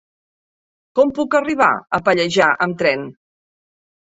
Com puc arribar a Pallejà amb tren?